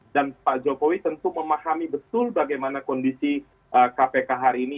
dan pak jokowi tentu memahami betul bagaimana kondisi kpk hari ini